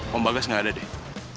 pembagas ga ada deh